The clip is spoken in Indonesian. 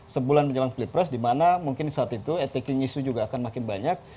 sebulan menjelang pilpres dimana mungkin saat itu attacking issue juga akan makin banyak